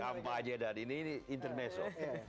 soal kampanye dan ini internezo